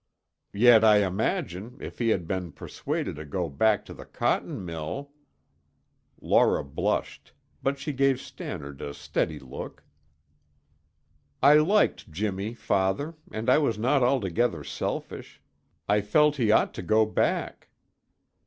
"Yet I imagine, if he had been persuaded to go back to the cotton mill " Laura blushed, but she gave Stannard a steady look. "I liked Jimmy, Father, and I was not altogether selfish. I felt he ought to go back."